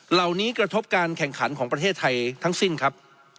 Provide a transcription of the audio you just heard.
กระทบการแข่งขันของประเทศไทยทั้งสิ้นครับ